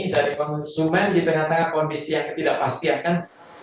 dari konsumen di tengah tengah kondisi yang ketidakpastian kan